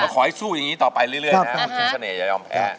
ขอให้สู้อย่างนี้ต่อไปเรื่อยนะคุณชิงเสน่อย่ายอมแพ้